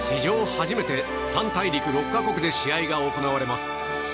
初めて３大陸６か国で試合が行われます。